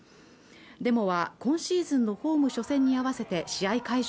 デモは今シーズンのホーム初戦に合わせて試合会場